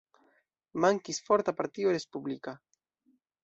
Mankis forta partio respublika.